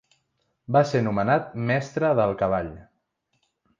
Va ser nomenat Mestre del Cavall.